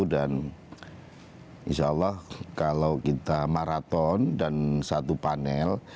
dan insya allah kalau kita maraton dan satu panel